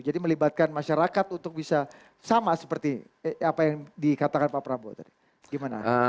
jadi melibatkan masyarakat untuk bisa sama seperti apa yang dikatakan pak prabowo tadi gimana